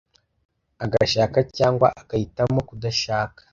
agashaka cyangwa agahitamo kudashaka.